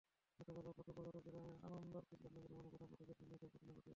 গতকাল রোববার দুপুরে চট্টগ্রামের আন্দরকিল্লার নগর ভবনের প্রধান ফটকের সামনে এসব ঘটনা ঘটে।